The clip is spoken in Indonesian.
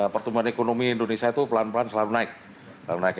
pertumbuhan ekonomi indonesia itu pelan pelan selalu naik